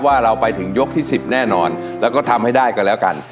ว่าเราไปถึงยกที่๑๐แน่นอนแล้วก็ทำให้ได้ก็แล้วกัน